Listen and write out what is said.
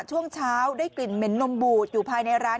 ช่วงเช้าได้กลิ่นเหม็นนมบูดอยู่ภายในร้าน